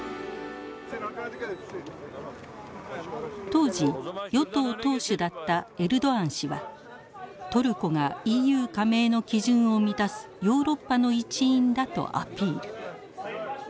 当時与党党首だったエルドアン氏はトルコがＥＵ加盟の基準を満たすヨーロッパの一員だとアピール。